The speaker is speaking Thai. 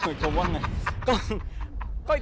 เหมือนเขาว่านี่